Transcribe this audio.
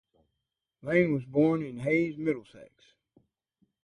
Lane was born in Hayes, Middlesex.